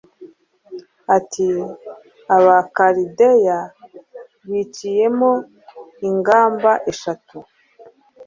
ati abakalideya biciyemo ingamba eshatu